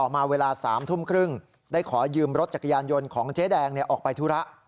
มาเวลา๓ทุ่มครึ่งได้ขอยืมรถจักรยานยนต์ของเจ๊แดงออกไปธุระ